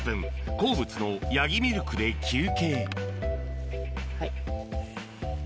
好物のヤギミルクで休憩はい。